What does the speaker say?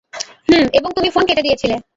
হুম, এবং তুমি ফোন কেটে দিয়েছিলে।